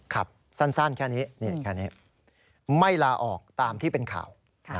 ครับสั้นแค่นี้แค่นี้ไม่ลาออกตามที่เป็นข่าว